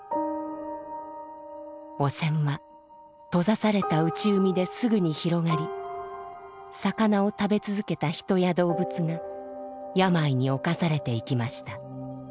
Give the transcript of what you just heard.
汚染は閉ざされた内海ですぐに広がり魚を食べ続けた人や動物が病におかされていきました。